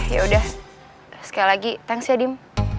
yaudah sekali lagi thanks ya dim